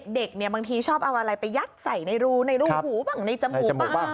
เด็กเนี่ยบางทีชอบเอาอะไรไปยัดใส่ในรูในรูหูบ้างในจมูกบ้าง